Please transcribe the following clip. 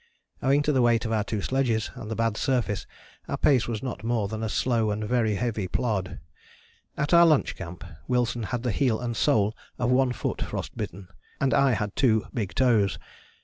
Owing to the weight of our two sledges and the bad surface our pace was not more than a slow and very heavy plod: at our lunch camp Wilson had the heel and sole of one foot frost bitten, and I had two big toes.